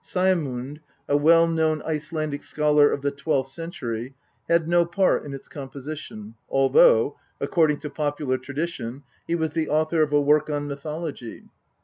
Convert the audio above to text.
Saemund, a well known Icelandic scholar of the twelfth century, had no part in its composition, although, according to popular tradition, he was the author of a work on mythology.